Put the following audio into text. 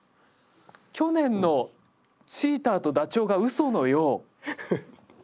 去年のチーターとダチョウが嘘のよう。